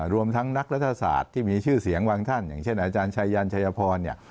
รวมทั้งนักรัฐศาสตร์ที่มีชื่อเสียงบางท่านอย่างเช่นอาจารย์ชายันชายพรเนี่ย